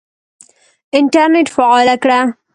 انټرنېټ فعاله کړه !